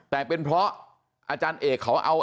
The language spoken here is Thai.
แต่เป็นเพราะอาจารย์เอกเขาเอา